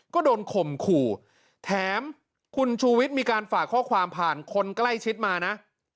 ก็โดนข่มขู่แถมคุณชูวิทย์มีการฝากข้อความผ่านคนใกล้ชิดมานะ